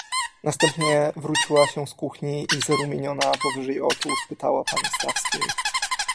"Następnie wróciła się z kuchni i zarumieniona powyżej oczu, spytała pani Stawskiej."